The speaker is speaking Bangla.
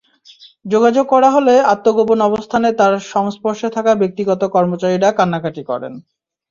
যোগাযোগ করা হলে আত্মগোপন অবস্থানে তাঁর সংস্পর্শে থাকা ব্যক্তিগত কর্মচারীরা কান্নাকাটি করেন।